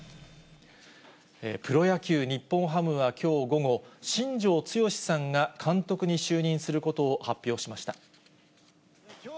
プロ野球・日本ハムはきょう午後、新庄剛志さんが、監督に就任することを発表しました。